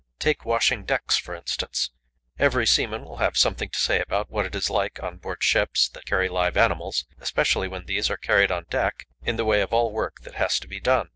Take washing decks, for instance. Every seaman will have something to say about what this is like on board ships that carry live animals, especially when these are carried on deck, in the way of all work that has to be done.